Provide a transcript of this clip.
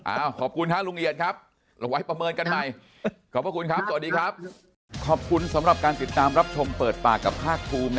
อ้าวขอบคุณครับลุงเหยียดครับเราไว้ประเมินกันใหม่